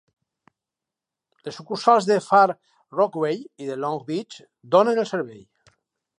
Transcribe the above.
Les sucursals de Far Rockaway i de Long Beach donen el servei.